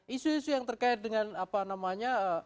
isu isu yang terkait dengan apa namanya